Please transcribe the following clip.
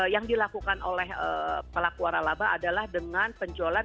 yang dilakukan oleh pelaku waralaba adalah dengan penjualan